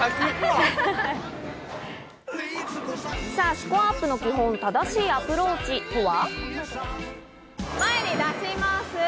スコアアップの基本、正しいアプローチとは？